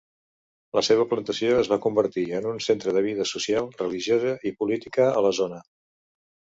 La seva plantació es va convertir en un centre de vida social, religiosa i política a la zona.